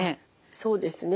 そうですね。